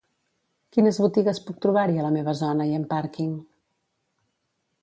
Quines botigues puc trobar-hi a la meva zona i amb pàrquing?